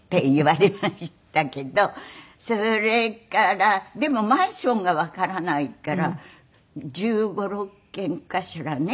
それからでもマンションがわからないから１５１６軒かしらね。